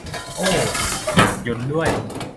โอ้ว อยากยลด้วย